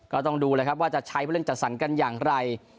ก็ต้องดูแล้วครับว่าจะใช้ผู้เล่นจัดสรรกันอย่างไร